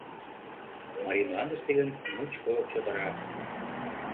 Марий мландыште гын — мучко чодыра.